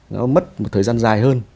nó mất một thời gian dài hơn